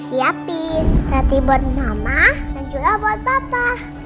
siapin rati buat nama